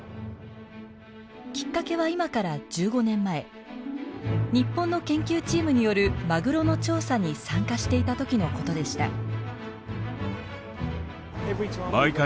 きっかけは今から１５年前日本の研究チームによるマグロの調査に参加していた時のことでした。